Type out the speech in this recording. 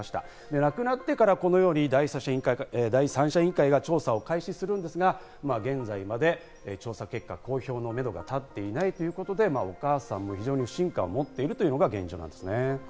亡くなってから第三者委員会が調査を開始するんですが、現在まで調査結果公表のめどが立っていないということで、お母さんも非常に不信感を持っているというのが現状です。